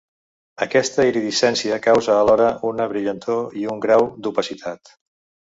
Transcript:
Aquesta iridescència causa alhora una brillantor i un grau d'opacitat.